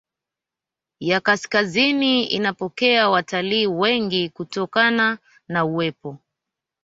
ya kaskazini inapokea watalii wengi kutokana na uwepo